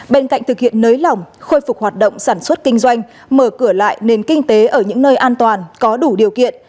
bên cạnh thực hiện nới lỏng khôi phục hoạt động sản xuất kinh doanh mở cửa lại nền kinh tế ở những nơi an toàn có đủ điều kiện